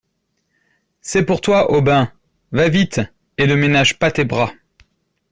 C’est pour toi, Aubin !… va vite ! et ne ménage pas tes bras.